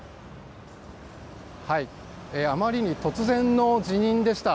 あまりに突然の辞任でした。